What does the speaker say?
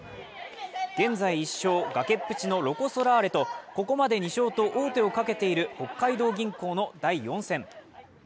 現在１勝、崖っぷちのロコ・ソラーレとここまで２勝と王手をかけている北海道銀行の第４戦。